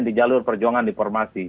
menurut perjuangan deformasi